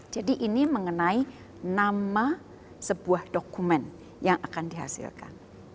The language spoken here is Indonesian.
jadi ini mengenai nama sebuah dokumen yang akan dihasilkan